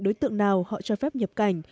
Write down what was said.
đối tượng nào họ cho phép nhập cảnh